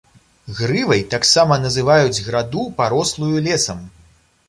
Грывай таксама называюць граду, парослую лесам.